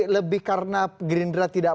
lebih karena grindra tidak